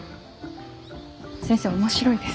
先生面白いですね。